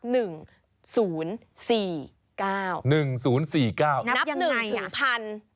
นับยังไง